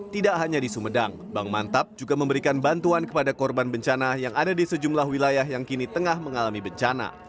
tidak hanya di sumedang bank mantap juga memberikan bantuan kepada korban bencana yang ada di sejumlah wilayah yang kini tengah mengalami bencana